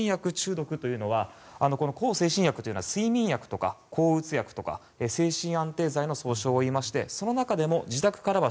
この向精神薬というのは睡眠薬とか抗うつ薬とか精神安定剤の総称をいいましてその中でも自宅からは